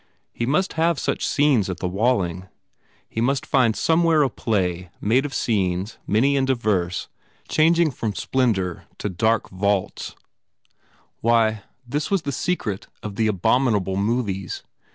He must have such scenes at the Walling. He must find somewhere a play made of scenes, many and diverse, changing from splen 135 THE FAIR REWARDS dour to dark vaults. Why, this was the secret of the abominable movies!